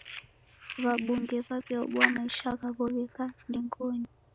W'abunge w'aw'iaobua maisha ghaw'o gheka ndengonyi.